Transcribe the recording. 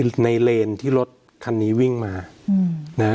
ก็คือต้องเป็นเลนที่รถคันนี้วิ่งมานะครับ